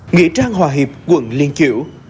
nghĩa trang hòa hiệp quận liên chiểu